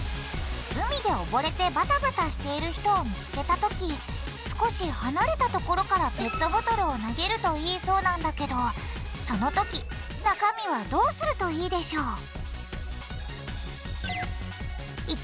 海でおぼれてバタバタしている人を見つけた時少し離れた所からペットボトルを投げるといいそうなんだけどその時中身はどうするといいでしょう？